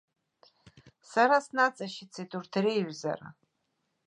Сара снаҵашьыцит урҭ реиҩызара.